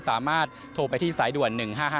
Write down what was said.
สามารถโทรไปที่สายด่วน๑๕๕